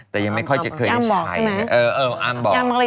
แต่ยังไม่ค่อยจะเคยใช้